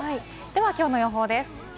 今日の予報です。